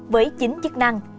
với chín chức năng